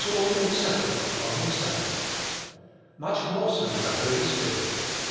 all inseparable from Himself.^ Much more sc the Holy Spirit.